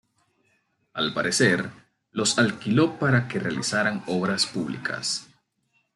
Al parecer, los alquiló para que realizaran obras públicas.